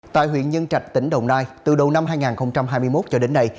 tại huyện nhân trạch tỉnh đồng nai từ đầu năm hai nghìn hai mươi một cho đến nay